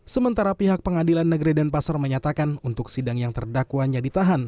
sementara pihak pengadilan negeri denpasar menyatakan untuk sidang yang terdakwanya ditahan